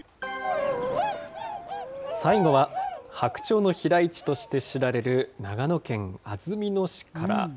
最後は、白鳥の飛来地として知られる長野県安曇野市から。